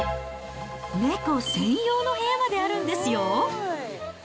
猫専用の部屋まであるんですよ。